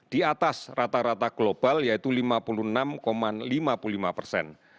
di atas rata rata global yaitu lima puluh enam lima puluh lima persen